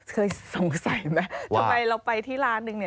เคยสงสัยไหมทำไมเราไปที่ร้านนึงเนี่ย